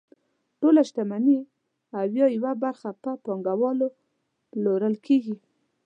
ټوله شتمني او یا یوه برخه په پانګوالو پلورل کیږي.